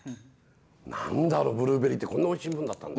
何だろブルーベリーってこんなおいしいもんだったんだ。